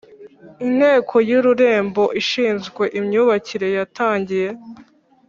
Inteko y Ururembo ishinzwe imyubakire yatangiye